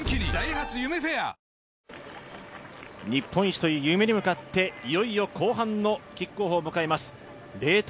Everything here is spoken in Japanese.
日本一という夢に向かっていよいよ後半のキックオフを迎えます。